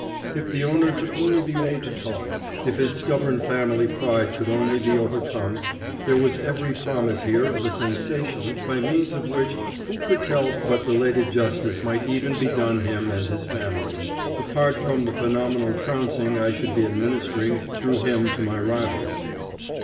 If the owner could only be made to talk, if his stubborn family pride could only be overcome, there was every promise here of a sensation by means of which who could tell but belated justice might even be done him and his family apart from the phenomenal trouncing I should be administering through him to my rivals.